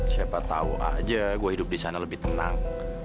siapa tahu aja gue hidup di sana lebih tenang